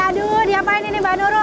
aduh diapain ini mbak nurul